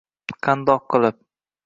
– Qandoq qilib?